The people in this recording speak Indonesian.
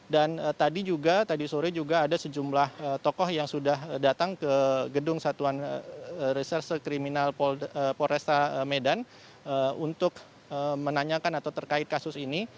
dan tadi juga tadi sore juga ada sejumlah tokoh yang sudah datang ke gedung satuan reserse kriminal polresta medan untuk menanyakan atau terkait kasus ini